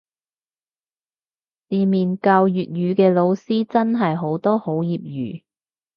市面教粵語嘅老師真係好多好業餘